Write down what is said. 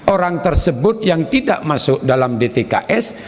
orang tersebut yang tidak masuk dalam dtks